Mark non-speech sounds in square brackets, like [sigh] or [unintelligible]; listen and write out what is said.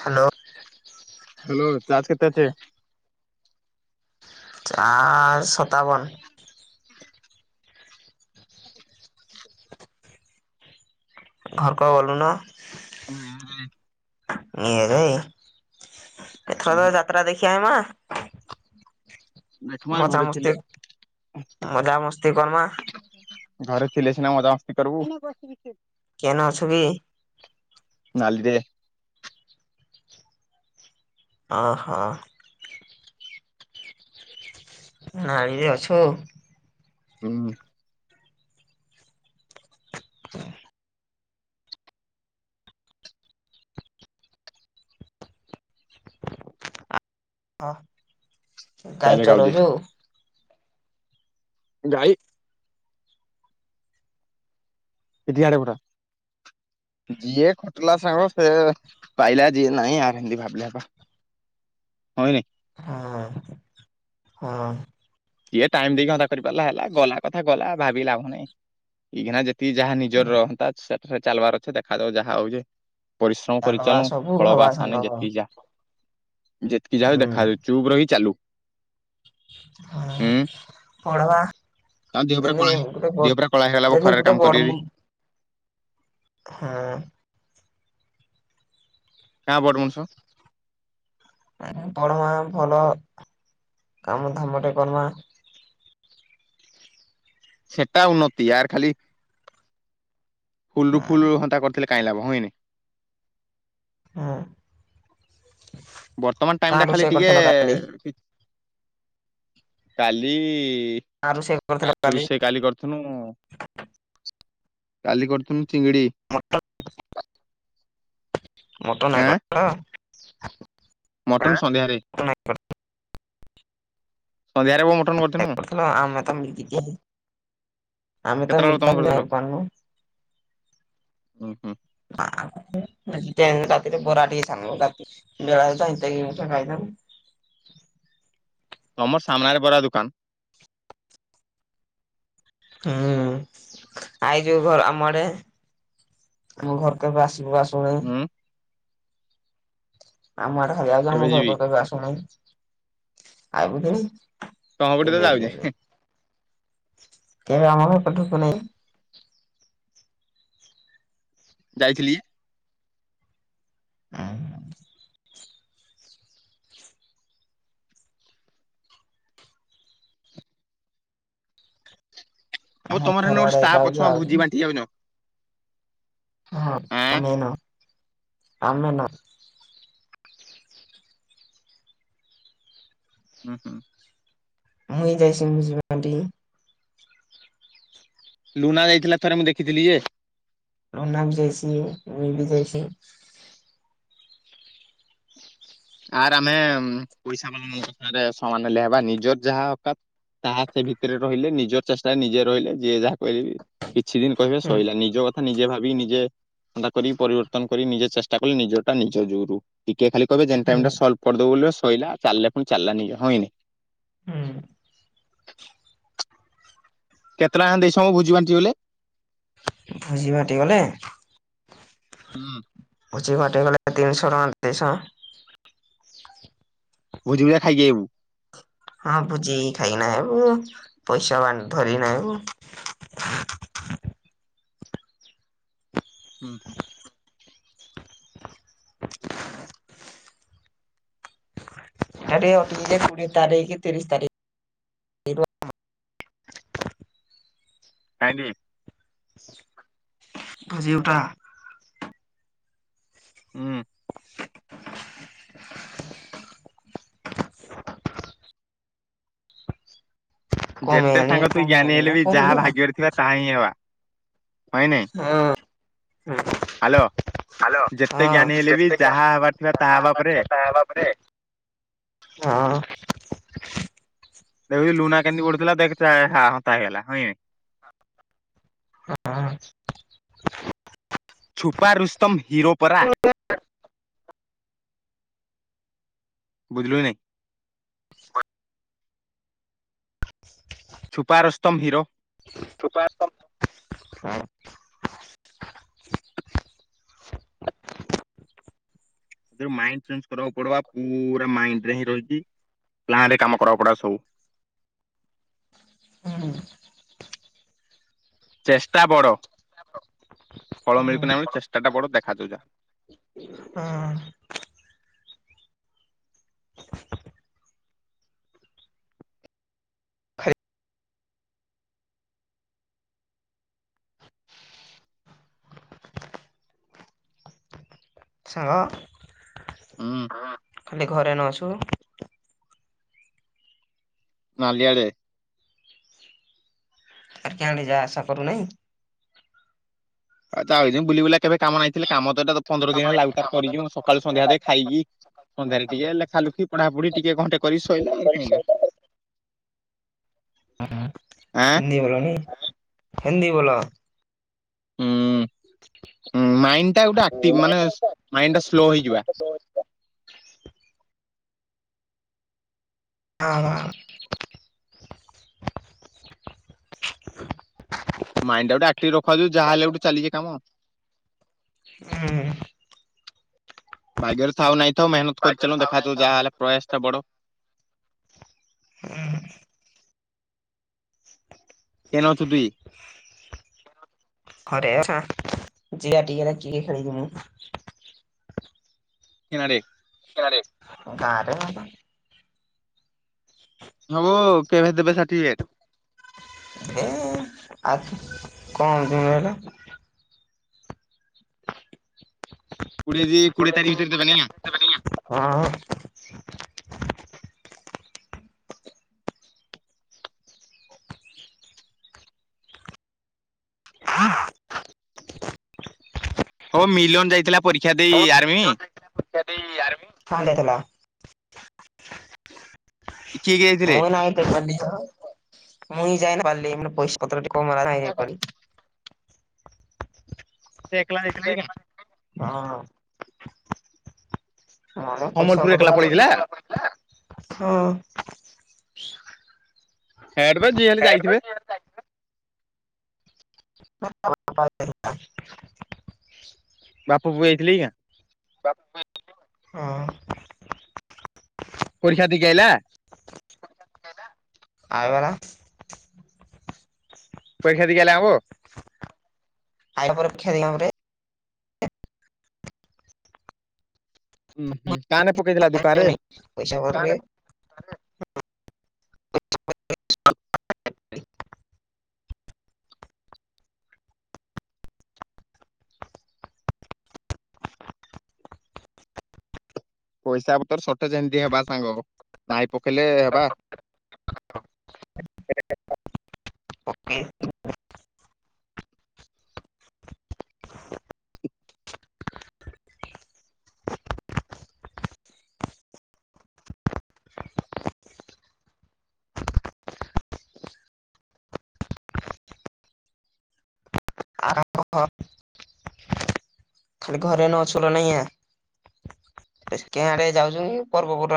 Hello hello charge କେତେ ଅଛି? Charge ସତାବନ। ଘର କ ଗଲୁ ନା [unintelligible] [unintelligible] ଏଥର ଉହୁଁ ଯାତ୍ରା ଦେଖି ଆଈମା? ଦେଖମା ମଜା ଘରେ ଥିଲେ ମସ୍ତି ମଜା ମସ୍ତି କରମା। ଘରେ ଥିଲେ ସିନା ମଜା ମସ୍ତି କରିବୁ। କେଣ ଅଛୁ କି? ନଲିରେ। ଓ ହୋ। ନାଇଁ ରେ ଅଛୁ। ହୁଁ। ହଁ। ଟାଇରେ ଗାଈ ଖାଉଛି ଚରୋଉଚୁ? ଗାଈ ଟି ଆଡେ ପଠା ଯିଏ ଖଟିଲା ସାଙ୍ଗ ସେ ପାଇଲା ଯିଏ ନାଇଁ ଆମିତି ଭାବିଲେ ହେବ ହଁ କି ନାଇଁ? ହଁ ହଁ। ଯିଏ ଟାଇମ ଦେଇକି ଅଧା କରିପାରିଲା ହେଲା ଗଲା କଥା ଗଲା ଭାବିକି ଲାଭ ନାଇଁ ଏଇ ଖିନା ଏ ଯାହା ନିଜର ରହନ୍ତା ଚାଲବାର ଅଛେ ଦେଖା ଦଉ ଯାହା ହଉଚି ପରିଶ୍ରମ କରି ଚାଲବା ଚାଲୁ ସବୁ ଫଳକ ହବା ସାଙ୍ଗ ଆସାନେ ହୁଁ ଯେତିକି ଯାହା ଯେତିକି ଯାହା ଦେଖାଯାଉ ଚୁପ୍ ରହି ଚାଲୁ। ହଁ ହୁଁ ପଢବା ତାଙ୍କ ଦେହ ପୁରା କଳା ହେ ଯେମିତି ଗୋଟେ ଦେହ ପୁରା କଳା ହେଇଗଲା ଯେମିତି ଖରାରେ ଗୋଟେ କାମ ବଡ କରିବି। ହଁ। କା ବଡମଣିଷ ପଢମା ଭଲ କାମ ଧାମ ଟେ କରମା ସେଟା ଉନ୍ନତି ଆରଖାଲି ଫୁଲୁ ଫୁଲୁ ହନ୍ତା କରିଥିଲେ କାଇଁ ଲାଭ ହେଇନି? ହଁ। ବର୍ତ୍ତମାନ ଟାଇମ କାଁ ଟା ଖାଲି ରୋଷେଇ କରିଥିଲ କାଲି ଟିକେ କାଲି ଆ ରଷେଇ କରୁଥିଲ କାଲି? ରୋଷେଇ କରିଥିନୁ କାଲି କରୁଥିଲୁ [unintelligible] ମଟନ ହେ ଆଁ କରିଥିଲ। ମଟନ ସନ୍ଧ୍ୟାରେ ମଟନ ହେ ସନ୍ଧ୍ୟାରେ ବୋ ମଟନ କରିଥିନୁ [unintelligible] ହୁଁ ହୁଁ। ରାତିରେ ବରା ଟିକେ ସ ବେଳାଣି ଖାଇ ତମର ସାମ୍ନାରେ ବରା ଦୋକାନ। ହୁଁ ଆଇ ଯୋଉ ଘର ଆମ ଆଡେ ଆମ ଘର କେବେ ଆସିବୁ ଆସ। [unintelligible] ହୁଁ ଆମର ହଜ କେବେ ଆମ ଯିବି ଘର କେବେ ଆସୁନା। ଆଗୁରୁ ତମ ପଟେ ତ ଯାଉଛି। କେବେ ଆମର [unintelligible] ଯାଇଥିଲି। [unintelligible] ମୁଁ ଆମ ତମର ଘର ଗୋଟେ [unintelligible] ଗୋଟେ ଆଡେ ଷ୍ଟାପ ଯାଉଛୁ ଅଛି ଆଉଛୁ ଭୋଜି ବାଣ୍ଟି ଯାଉନ। ହଁ ଆମେ ନ ଆମେ ନ ହୁଁ ହୁଁ। ମୁଁଇଁ ଯାଇସ ମୁ ମାଟି ଲୁନା ଯାଇଥିଲା ଥରେ ମୁଁ ଦେଖିଥିଲି ଯେ। ରନା ବି ଯାଇଛି ମୁଁ ବି ଯାଇଛି। ଆର୍ ଆମେ ପଇସା ବାଲଙ୍କରେ ସମାନ ଲେହବା ନିଜର ଯାହା ଓକାତ ତାହା ସେ ଭିତରେ ରହିଲେ ନିଜର ଚେଷ୍ଟାରେ ନିଜେ ରହିଲେ ଯିଏ ଯାହା କହିଲେ କିଛି ଦିନ କହିବେ ହୁଁ ସଇଲା ନିଜ କଥା ନିଜେ ଭାବ ନିଜେ [unintelligible] କରି ପରିବର୍ତ୍ତନ କରି ନିଜେ ଚେଷ୍ଟା କଲେ ନିଜ ଟା ନିଜ ଯୋଉରୁ ଟିକେ ଖାଲି ହୁଁ ଟାଇମ ଟା ସଲ୍ କରିଦବ ବୋଲି ଶୋଇଲା ଚାଲିଲେ ପୁଣି ଚାଲିଲା ନିଜ ହନି ହୁଁ। କେତେଟା ଦେଇସ ମୁ ଭୋଜି ବାଣ୍ଟି ଗଲେ। ଭୁଜିିବାଟି ଗଲେ ହୁଁ। ଭୋଜି ବାଟିଗଲେ ତିନିଶହ ଟଙ୍କା ଦୁଶହ ଭୋଜି [unintelligible] ଖାଇକି ଆଇବୁ। ହଁ ଭୋଜି ଖଇକିନା ପଇସା ଧରିକିନା ଆଇବୁ। ହୁଁ ହୁଁ। ଆରେ ଅଟ କି ଯା କୋଡ଼ିଏ ତାରିଖ୍ ତିରିଶ ତାରିଖ୍ କାହିଁକି ଭୋଜି ଉ ଟା ହୁଁ। କମେଇ ଯେତେ ଆଣି ସାଙ୍ଗ ତୁ କମେଇ ଜ୍ଞାନୀ ହେଲେ ଆଣିକିନା ବି ଯାହା କରୁଚି ବା ଭାଗ୍ୟରେ ଥିବା ତାହା ହିଁ ହେବା। [unintelligible] ନାଇଁ ହ୍ୟାଲୋ ହାଲୋ ଯେତେ ଜ୍ଞାନୀ ହିଁ ହେଲେ ବି ଯେତେ ଟା ଯାହା ହେବାର ଥିବା ହେବା [unintelligible] ତାହା ପରେ ହେବା ପରେ ଦେଖ ଲୁନା କେନତି ପଢୁଥିଲା ଦେଖ ହ ହତା ହେଇଗଲା ହଇଁ ହଁ। ଛୁପାରୁୁସ୍ତମ୍। ହିରୋ ପରା। ବୁଝିଲୁ କି ନାଇଁ? Chhupa Rustam hero. Chhupa Rustam [unintelligible] mind change କରିବାକୁ ପଡବା ପୁରା ମାଇଣ୍ଡରେ ହିଁ ରହିଛି ପ୍ଲାନ୍ ରେ କାମ କରିବାକୁ ପଡବା ସବୁ। ହୁଁ। ଚେଷ୍ଟା ବଡ। ଫଳ ମିଳକୁ ନାହିଁ ଚେଷ୍ଟାଟା ବଡ଼ ଦେଖାଯାଉ ଯା ସାଙ୍ଗ ହୁଁ ଖାଲି ଘରେ ନ ଅଛୁ। ନାଲିଆରେ ଆର୍ କାଁଡେ ଯାହା ଆଶା କରୁନାହିଁ। ଆଉ ତା ବୁଲି ବୁଲା କେବେ କାମ ନାଇଥିଲେ କାମ ତଟା ପନ୍ଦର ଦିନ ହେଲା ଲାଉ ଟା କରିଛୁ ସକାଳୁ ସନ୍ଧ୍ୟା ଯା ଖାଇକି ପନ୍ଦାରି ଟିକେ ଲେଖା ଲୁଖି ପଢାପଢି ଟିକେ ଘଣ୍ଟେ କରି ଶୋଇଲେ ଆ କାହିଁକା। ହିନ୍ଦୀ ବୋଲୋନି ହିନ୍ଦୀ ବୋଲୋ। ହୁଁ ମାଇଣ୍ଡ ଟା ଗୋଟେ ଆକ୍ଟିଭ ମାନେ ମାଇଣ୍ଡ ଟା ସ୍ଲୋ ହେଇଯିବା। ହଁ ବା। ମାଇଣ୍ଡ ଟା ଗୋଟେ ଆକ୍ଟିଭ ରଖାଯାଉ ଯାହାହେଲେ ଗୋଟେ ଚାଲିଛି କାମ। ହୁଁ ଭାଗ୍ୟରେ ଥାଉ ନାହିଁ ତ ମେହନତ କରିଚାଲୁଁ, ଦେଖାଯାଉଁ ଯାହାହେଲେ ପ୍ରୟାସ ଟା ବଡ। ହୁଁ କେନ ଅଛୁ ତୁଇ? ଘରେ ଅଛ ଜିଆ ଟିକେରେ କିଏ ଖେଳିକି ମୁଁ କେନାରେ ଗାଁରେ ହବ କେବେ ଦେବେ ସାର୍ଟିଫିକେଟ ଏ ଆଉ କଣ ଦିନ ହେଲା କୋଡ଼ିଏ ଦି କୋଡ଼ିଏ ତାରିଖ ଭିତରେ ଦେବେନି ଆଁ? ହଁ। ହଁ ବା, ମିଲନ ଯାଇଥିଲା ପରୀକ୍ଷା ଦେଇ ଆର୍ମି କଣ ଦେଇଥିଲା? କିଏ କିଏ ଯାଇଥିଲେ ମୁଁ ନାଇଁ ତ ଗଲି, ମୁଁଇ ଯାଇନା ବାଲିମର ପଇସା ପତର ଟିକ୍ କୋଉ ମାରା ହେଇପାରେ। ସେ ଏକଲା ଯାଇଥିଲା କି ହଁ। ମୋର ପଇସା ସମ୍ବଲପୁର ପତ୍ର ଏକଲା ପଳେଇଥିଲା ହଁ। ହଁ ହେଠ ବା ଯିଏ ହେଲେ ଯାଇଥିବେ। ବାପ ପୁଅ ଯାଇଥିଲେ କିଆଁ? ପରୀକ୍ଷା ଦେଇକି ଆଇଲା? ଆଇଗଲା ପରୀକ୍ଷା ଦେଇକି ଆଇଲା ଆବ? [unintelligible] [unintelligible] ପଇସା ପଠାବେ? [unintelligible] ଟିକେ ଖାଲି ଘରେ ନଛ ନାଇଁ କଁ ନିଆ କିଆଁ ଆଡ଼େ ଯାଉଛ ପର୍ବପର୍ବା